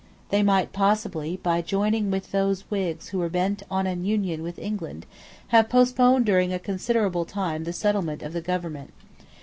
They might possibly, by joining with those Whigs who were bent on an union with England, have postponed during a considerable time the settlement of the government.